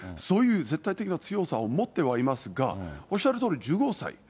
そういう絶対的な強さを持ってはいますが、おっしゃるとおり１５歳。